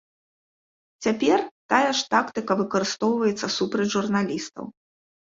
Цяпер тая ж тактыка выкарыстоўваецца супраць журналістаў.